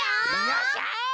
よっしゃ！